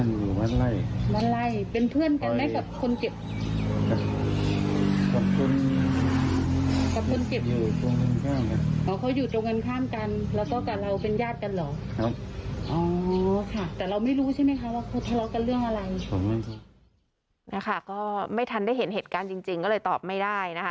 นี่ค่ะก็ไม่ทันได้เห็นเหตุการณ์จริงก็เลยตอบไม่ได้นะคะ